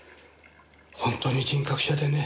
本当に人格者でね